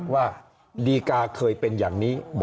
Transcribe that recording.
ว่าดีกาเคยเป็นอย่างนี้